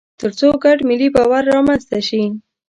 تر څو ګډ ملي باور رامنځته شي.